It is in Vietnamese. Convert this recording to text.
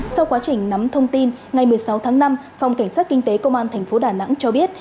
sau quá trình nắm thông tin ngày một mươi sáu tháng năm phòng cảnh sát kinh tế công an tp đà nẵng cho biết